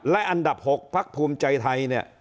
และอันดับ๖พักภูมิใจไทยเนี่ย